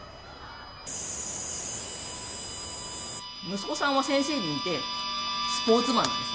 息子さんは先生に似てスポーツマンなんですね。